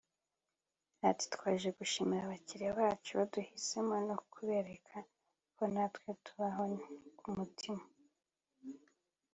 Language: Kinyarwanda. Ati "Twaje gushimira abakiriya bacu baduhisemo no kubereka ko natwe tubahoza ku mutima